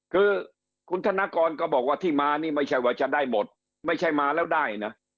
คือคุณธนกรก็บอกว่าที่มานี่ไม่ใช่ว่าจะได้หมดไม่ใช่มาแล้วได้นะ